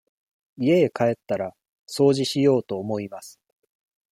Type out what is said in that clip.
家へ帰ったら、掃除しようと思います。